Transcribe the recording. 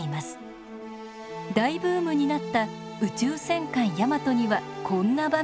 大ブームになった「宇宙戦艦ヤマト」にはこんな場面が。